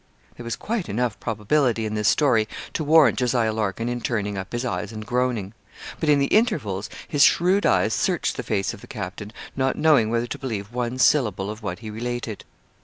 There was quite enough probability in this story to warrant Jos. Larkin in turning up his eyes and groaning. But in the intervals, his shrewd eyes searched the face of the captain, not knowing whether to believe one syllable of what he related.